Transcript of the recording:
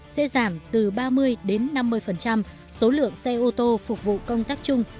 sẽ giảm từ ba mươi đến năm mươi số lượng xe ô tô phục vụ công tác chung